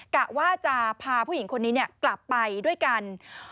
กะว่าจะพาผู้หญิงคนนี้กลับไปด้วยกัน